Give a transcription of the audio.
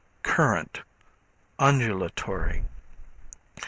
Current, Undulatory.